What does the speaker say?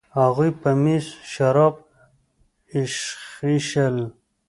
هغوی په میز شراب ایشخېشل.